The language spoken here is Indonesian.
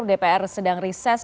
dpr sedang riset